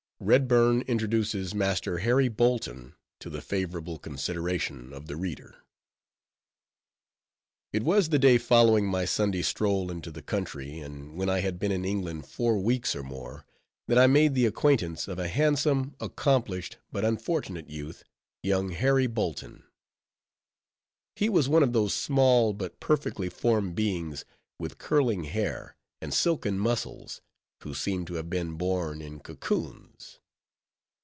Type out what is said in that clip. REDBURN INTRODUCES MASTER HARRY BOLTON TO THE FAVORABLE CONSIDERATION OF THE READER It was the day following my Sunday stroll into the country, and when I had been in England four weeks or more, that I made the acquaintance of a handsome, accomplished, but unfortunate youth, young Harry Bolton. He was one of those small, but perfectly formed beings, with curling hair, and silken muscles, who seem to have been born in cocoons.